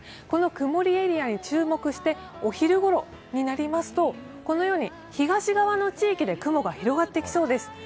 この曇りエリアに注目してお昼ごろになりますと、このように東側の地域で雲が広がってきそうです。